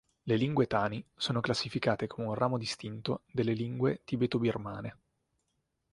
Le lingue tani sono classificate come un ramo distinto delle lingue tibeto-birmane.